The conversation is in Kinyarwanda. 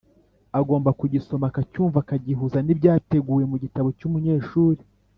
agomba kugisoma akacyumva akagihuza n’ibyateguwe mu gitabo cy’umunyeshuri